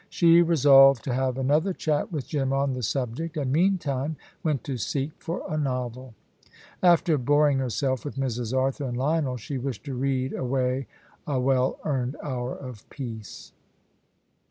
She resolved to have another chat with Jim on the subject, and meantime went to seek for a novel. After boring herself with Mrs. Arthur and Lionel, she wished to read away a well earned hour of peace.